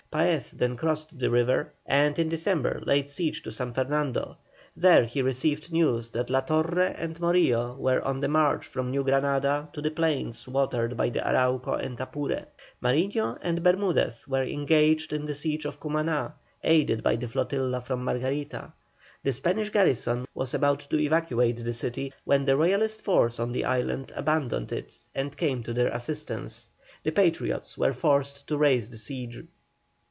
Paez then crossed the river, and in December laid siege to San Fernando. There he received news that La Torre and Morillo were on the march from New Granada to the plains watered by the Arauca and Apure. Mariño and Bermudez were engaged in the siege of Cumaná, aided by the flotilla from Margarita. The Spanish garrison was about to evacuate the city, when the Royalist force on the island abandoned it and came to their assistance. The Patriots were forced to raise the siege.